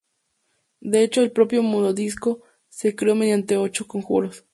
De hecho, el propio Mundodisco se creó mediante ocho conjuros.